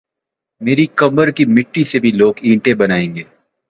میری قبر کی مٹی سے بھی لوگ اینٹیں بنائی گے ۔